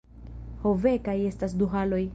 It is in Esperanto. Ho ve kaj estas du haloj